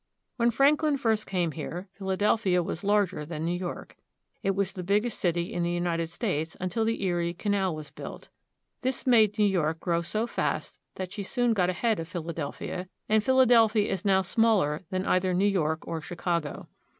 When Franklin first came here, Philadelphia was larger than New York. It was the biggest city in the United States until the Erie Canal was built. This made New York grow so fast that she soon got ahead of Philadelphia, and Philadelphia is now smaller than either New York or Chicago.